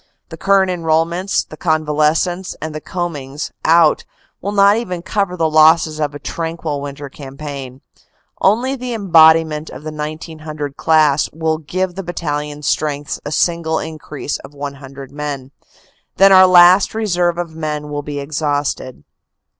The current enrolments, the convalescents, and the combings out will not even cover the losses of a tranquil winter cam paign. Only the embodiment of the 1900 class will give the battalion strengths a single increase of 100 men. Then our last reserve of men will be exhausted.